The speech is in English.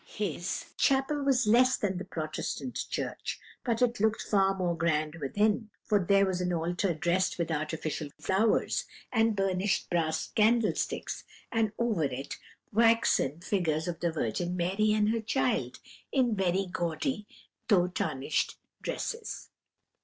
His chapel was less than the Protestant church, but it looked far more grand within, for there was an altar dressed with artificial flowers, and burnished brass candlesticks, and over it waxen figures of the Virgin Mary and her Child, in very gaudy though tarnished dresses.